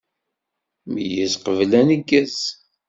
Meyyez qbel aneggez.